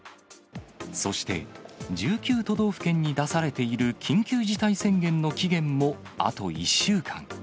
そして、１９都道府県に出されている緊急事態宣言の期限もあと１週間。